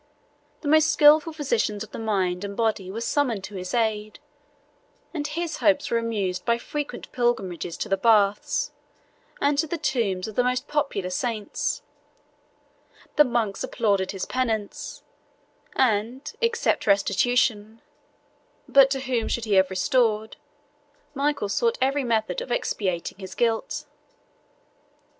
The most skilful physicians of the mind and body were summoned to his aid; and his hopes were amused by frequent pilgrimages to the baths, and to the tombs of the most popular saints; the monks applauded his penance, and, except restitution, (but to whom should he have restored?) Michael sought every method of expiating his guilt.